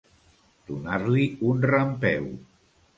Donar-li un rampeu.